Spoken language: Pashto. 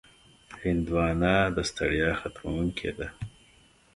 هندوانه د ستړیا ختموونکې ده.